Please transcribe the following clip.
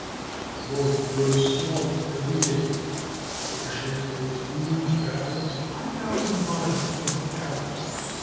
The world grows smaller every day. Russia fights huge battles five thousand miles from her capital.